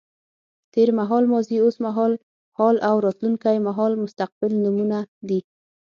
تېر مهال ماضي، اوس مهال حال او راتلونکی مهال مستقبل نومونه دي.